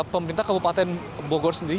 pemerintah kabupaten bogor sendiri